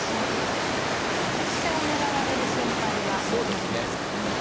これで飛車を狙われる心配はなくなりましたね。